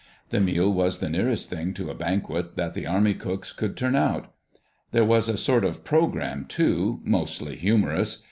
The meal was the nearest thing to a banquet that the army cooks could turn out. There was a sort of program, too, mostly humorous.